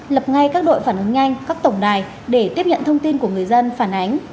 lập ngay các đội phản ứng nhanh các tổng đài để tiếp nhận thông tin của người dân phản ánh